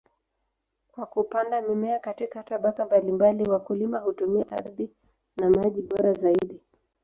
Kwa kupanda mimea katika tabaka mbalimbali, wakulima hutumia ardhi na maji bora zaidi.